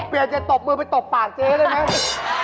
เปลี่ยนจะตบมือไปตบปากเจ๊ได้ไหม